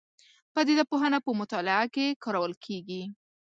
پدیده پوهنه په مطالعه کې کارول کېږي.